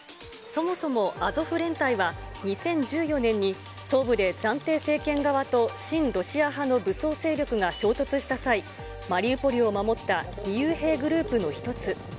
そもそもアゾフ連隊は、２０１４年に、東部で暫定政権側と新ロシア派の武装勢力が衝突した際、マリウポリを守った義勇兵グループの一つ。